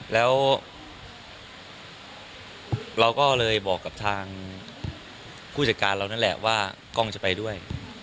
แล้วเราก็เลยบอกกับทางผู้จัดการเรานั่นแหละว่ากล้องจะไปด้วย